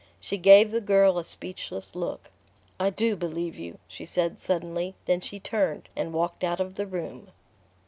She gave the girl a speechless look. "I do believe you," she said suddenly; then she turned and walked out of the room.